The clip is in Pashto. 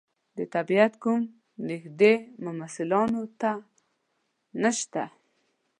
د طبعیت کوم نږدې مماثلاتونه نشته.